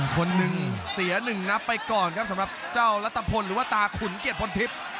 คนหนึ่งเสียหนึ่งนับไปก่อนครับสำหรับเจ้ารัฐพลหรือว่าตาขุนเกียรติพลทิพย์